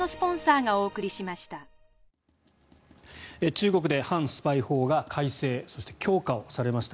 中国で反スパイ法が改正そして強化されました。